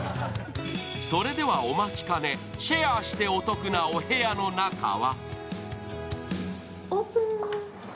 それではお待ちかね、シェアしてお得なお部屋の中は？